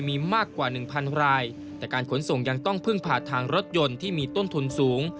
มีมากกว่าหนึ่งพันรายแต่การขนส่งยังต้องพึ่งผ่านทางรถยนต์ที่มีต้นทุนสูง